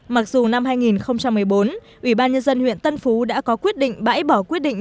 mặc dù năm hai nghìn một mươi bốn ủy ban nhân dân huyện tân phú đã có quyết định bãi bỏ quyết định